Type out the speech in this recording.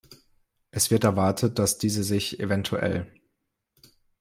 Es wird erwartet, dass diese sich evtl.